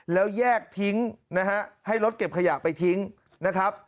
แล้วแยกทิ้งนะฮะให้รถเก็บขยะไปทิ้งนะครับ